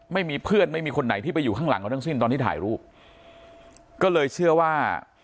ไม่มีเพื่อนไม่มีคนไหนที่ไปอยู่ข้างหลังเราทั้งสิ้นตอนที่ถ่ายรูปก็เลยเชื่อว่า